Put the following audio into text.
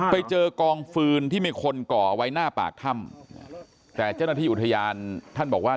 ไปเจอกองฟืนที่มีคนก่อไว้หน้าปากถ้ำแต่เจ้าหน้าที่อุทยานท่านบอกว่า